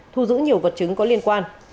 thu giữ nhiều vật chứng có liên quan